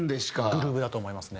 グルーヴだと思いますね。